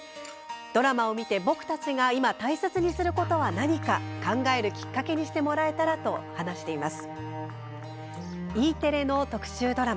ドラマを見て僕たちが今大切にすることは何か考えるきっかけにしてもらえたらと話しています。